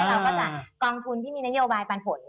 เราก็จะกองทุนที่มีนโยบายปันผล